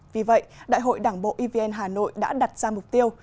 vì vậy đại hội đảng bộ evn hà nội đã đặt ra mục tiêu